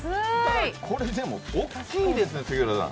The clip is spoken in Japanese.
これでもおっきいですね杉浦さん。